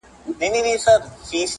د زمري تر خولې چې څه به راوتله